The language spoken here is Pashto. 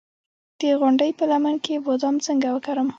د غونډۍ په لمن کې بادام څنګه وکرم؟